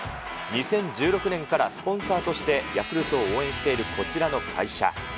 ２０１６年からスポンサーとしてヤクルトを応援しているこちらの会社。